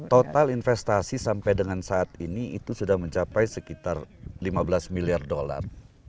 total investasi sampai dengan saat ini itu sudah mencapai sekitar lima belas miliar dolar